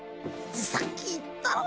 さっき言ったろ？